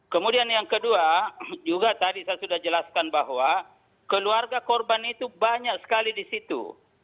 kemudian yang kedua juga tadi saya sudah jelaskan bahwa keluarga korban itu banyak sekali di situ